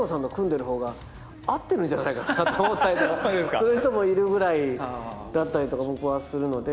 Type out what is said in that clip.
そういう人もいるくらいだったりとか僕はするので。